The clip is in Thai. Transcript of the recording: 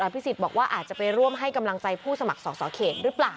พิสิทธิ์บอกว่าอาจจะไปร่วมให้กำลังใจผู้สมัครสอสอเขตหรือเปล่า